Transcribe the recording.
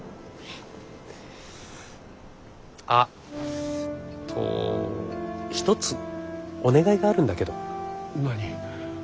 あっと一つお願いがあるんだけど。